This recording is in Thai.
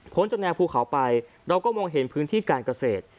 จากแนวภูเขาไปเราก็มองเห็นพื้นที่การเกษตร